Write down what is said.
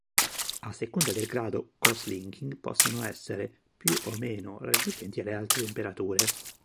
A seconda del grado cross-linking possono essere più o meno resistenti alle alte temperature.